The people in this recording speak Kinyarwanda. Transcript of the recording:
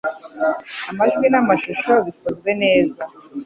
amajwi n amashusho bikozwe neza